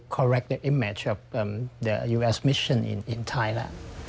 คือความติดต่อตัวของผมและที่ผมจับหลัง